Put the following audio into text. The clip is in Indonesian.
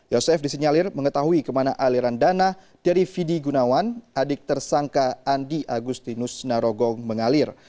yosef disinyalir mengetahui kemana aliran dana dari fidi gunawan adik tersangka andi agustinus narogong mengalir